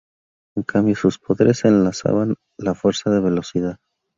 En cambio, sus poderes se enlazaban a la Fuerza de Velocidad.